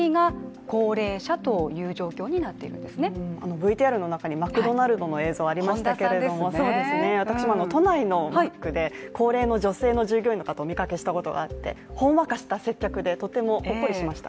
ＶＴＲの中にマクドナルドの映像ありましたけれども私も都内のマックで、高齢の女性の従業員の方をお見かけしたことがあってほんわかした接客でとてもほっこりしました。